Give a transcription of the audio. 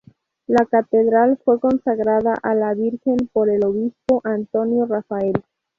La catedral fue consagrada a la Virgen por el obispo Antonio Rafael.